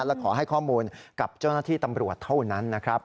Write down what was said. และขอให้ข้อมูลกับเจ้าหน้าที่ตำรวจเท่านั้นนะครับ